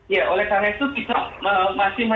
ya oleh karena itu kita masih